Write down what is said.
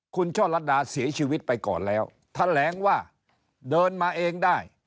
คุณช่อลัดดาเสียชีวิตไปก่อนแล้วแถลงว่าเดินมาเองได้